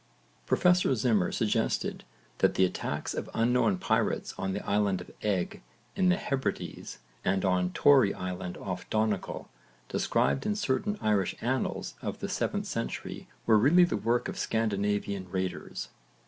Professor Zimmer suggested that the attacks of unknown pirates on the island of Eigg in the Hebrides and on Tory Island off Donegal, described in certain Irish annals of the 7th century, were really the work of Scandinavian raiders.